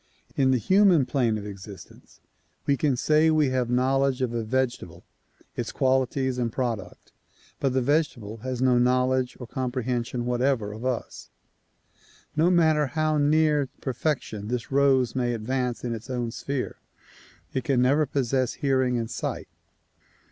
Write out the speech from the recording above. In the human plane of existence we can say we have knowledge of a vegetable, its qualities and product, but the vege table has no knowledge or comprehension whatever of us. No matter how near perfection this rose may advance in its own sphere it can never possess hearing and sight.